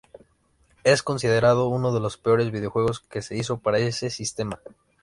Es considerado uno de los peores videojuegos que se hizo para ese sistema.